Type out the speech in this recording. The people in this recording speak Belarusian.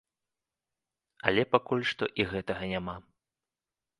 Але пакуль што і гэтага няма.